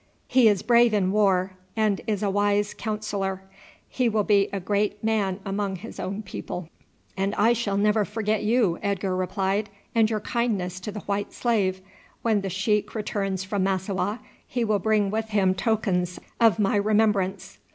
"He is brave in war, and is a wise counsellor; he will be a great man among his own people." "And I shall never forget you," Edgar replied, "and your kindness to the white slave. When the sheik returns from Massowah he shall bring with him tokens of my remembrance."